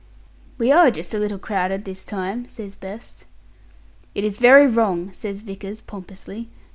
"We are just a little crowded this time," says Best. "It is very wrong," says Vickers, pompously.